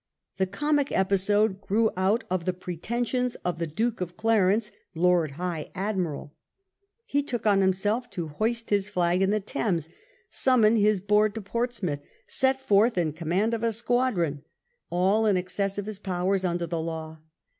The comic episode grew out of the pre tensions of the Duke of Clarence, Lord High Admiral. He took on himself to hoist his flag in the Thames, summon his board to Portsmouth, set forth in command of a squadron, all in excess of his powers under the law.